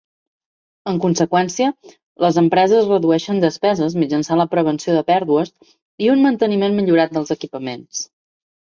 En conseqüència, les empreses redueixen despeses mitjançant la prevenció de pèrdues i un manteniment millorat dels equipaments.